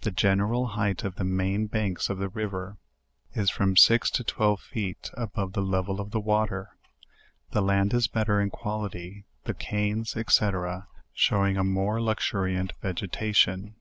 The general height of the main banks of the river is from six to twelve. feet above the level of the water; the land is better in quality, the canes, &c. showing a more luxuriant vegetation.